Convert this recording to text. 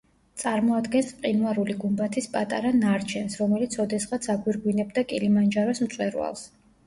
წარმოადგენს მყინვარული გუმბათის პატარა ნარჩენს, რომელიც ოდესღაც აგვირგვინებდა კილიმანჯაროს მწვერვალს.